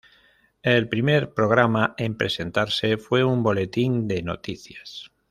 El primer programa en presentarse fue un boletín de noticias.